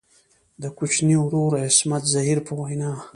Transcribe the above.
د کوچني ورور عصمت زهیر په وینا.